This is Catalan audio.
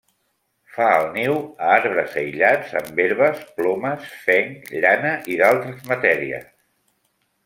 Fa el niu a arbres aïllats amb herbes, plomes, fenc, llana i d'altres matèries.